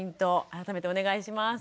改めてお願いします。